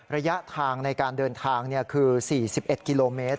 ระยะทางในการเดินทางคือ๔๑กิโลเมตร